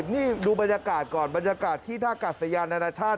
นี่ดูบรรยากาศก่อนบรรยากาศที่ท่ากัดสยานานาชาติ